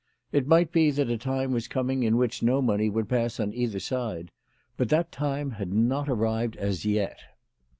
It might be that a time was coming in which no money would pass on either side, but that time had not arrived as yet.